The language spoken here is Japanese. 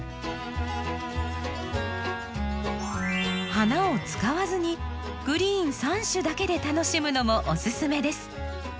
花を使わずにグリーン３種だけで楽しむのもおすすめです。